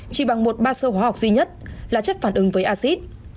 chỉ bằng một ba sho hóa học duy nhất là chất phản ứng với acid